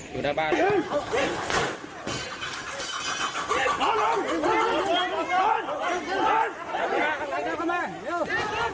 อยู่ในบ้าน